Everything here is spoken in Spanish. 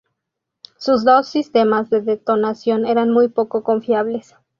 Sus dos sistemas de detonación eran muy poco confiables.